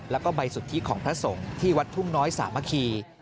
แล้วก็ใบสุทธิของพระสงฆ์ที่วัดทุ่งน้อยสามัคคี